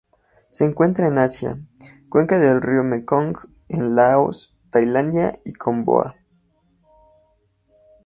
Se encuentran en Asia: cuenca del río Mekong en Laos, Tailandia y Camboya.